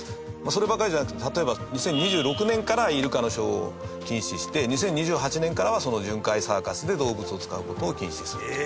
そればかりじゃなくて例えば２０２６年からイルカのショーを禁止して２０２８年からは巡回サーカスで動物を使う事を禁止すると。